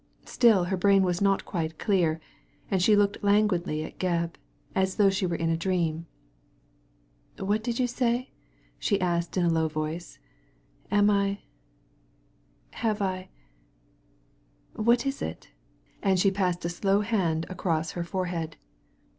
Still her brain was not quite clear, and she looked languidly at Gebb, as though she were in a dream. "What did you say ?" she asked in a low voice. "Am I — ^have I — what is it ?" and she passed a slow hand across her forehead.